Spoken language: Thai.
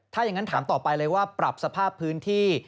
ถ้าอย่างนั้นถามต่อไปเลยว่าปรับสภาพพื้นที่